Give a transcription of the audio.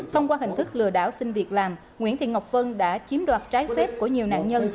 thông qua hình thức lừa đảo xin việc làm nguyễn thị ngọc vân đã chiếm đoạt trái phép của nhiều nạn nhân